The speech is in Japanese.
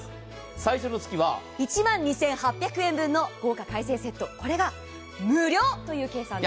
最初の月は１万２８００円分の豪華海鮮セット、これが無料という計算です。